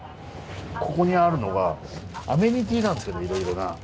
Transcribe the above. ここにあるのがアメニティーなんですけどいろいろな。